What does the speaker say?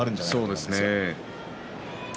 そうですね。